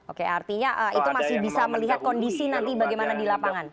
oke artinya itu masih bisa melihat kondisi nanti bagaimana di lapangan